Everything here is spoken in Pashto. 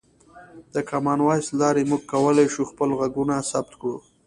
د کامن وایس له لارې موږ کولی شو خپل غږونه ثبت کړو.